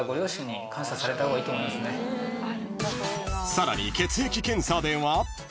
［さらに血液検査では］